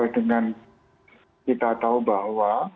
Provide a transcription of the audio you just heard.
dengan kita tahu bahwa